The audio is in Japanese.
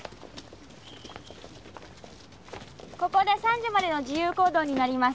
ここで３時までの自由行動になります。